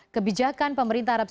kebijakan pemerintah arab saudara